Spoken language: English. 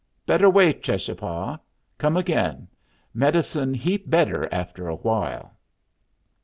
"Better wait, Cheschapah. Come again. Medicine heap better after a while."